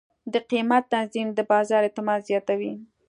د قیمت تنظیم د بازار اعتماد زیاتوي.